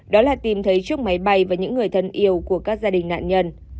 đó là tìm thấy chiếc máy bay và những người thân yêu của các gia đình nạn nhân